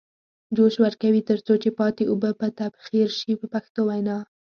جوش ورکوي تر څو چې پاتې اوبه یې تبخیر شي په پښتو وینا.